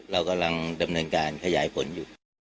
เรากำลังดำเนินการขยายผลอยู่